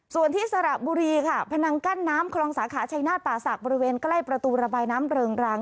ส่วนที่สระบุรีค่ะพนังกั้นน้ำคลองสาขาชัยนาศป่าศักดิ์บริเวณใกล้ประตูระบายน้ำเริงรัง